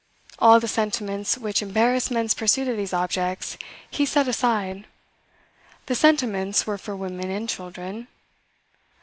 All the sentiments which embarrass men's pursuit of these objects, he set aside. The sentiments were for women and children.